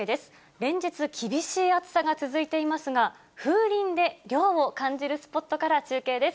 連日、厳しい暑さが続いていますが、風鈴で涼を感じるスポットから中継です。